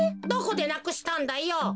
どこでなくしたんだよ？